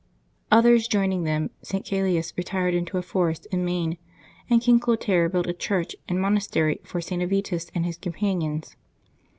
Others joining them, St. Calais retired into a forest in Maine, and King Clotaire built a church and monastery for .St. Avitus and his companions.